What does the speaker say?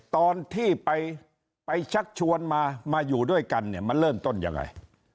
ตอนที่ไปชักชวนมามาอยู่ด้วยกันเนี่ยมันเริ่มต้นยังไง